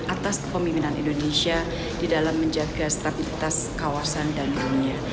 atas kepemimpinan indonesia di dalam menjaga stabilitas kawasan dan dunia